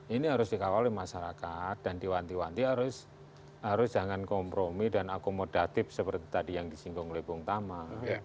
ini harus dikawal oleh masyarakat dan diwanti wanti harus jangan kompromi dan akomodatif seperti tadi yang disinggung oleh bung tama